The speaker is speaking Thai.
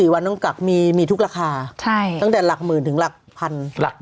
วันต้องกักมีทุกราคาตั้งแต่หลักหมื่นถึงหลักพันหลัก